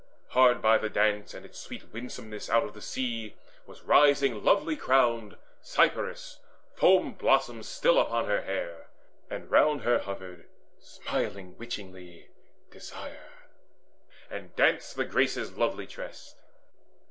Hard by the dance and its sweet winsomeness Out of the sea was rising lovely crowned Cypris, foam blossoms still upon her hair; And round her hovered smiling witchingly Desire, and danced the Graces lovely tressed.